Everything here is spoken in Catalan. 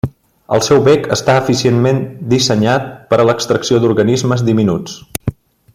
El seu bec està eficientment dissenyant per a l'extracció d'organismes diminuts.